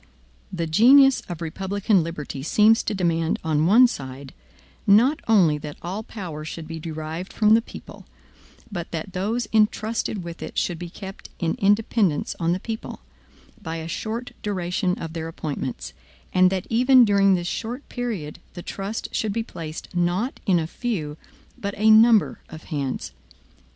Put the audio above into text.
The genius of republican liberty seems to demand on one side, not only that all power should be derived from the people, but that those intrusted with it should be kept in independence on the people, by a short duration of their appointments; and that even during this short period the trust should be placed not in a few, but a number of hands.